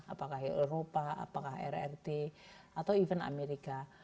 apakah eropa apakah rrt atau even amerika